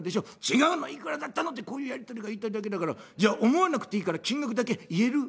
違うのいくらだったのってこういうやり取りが言いたいだけだからじゃ思わなくていいから金額だけ言える？」。